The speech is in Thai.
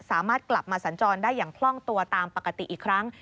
สามารถกลับมาสัญจรได้อย่างคล่องตัวตามปกติอีกครั้ง